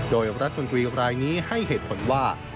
โดยรัฐมนตรีรายนี้ให้เหตุผลว่า